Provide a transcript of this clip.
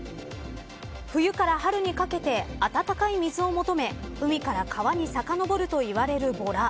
冬から春にかけて温かい水を求め海から川にさかのぼるといわれるボラ。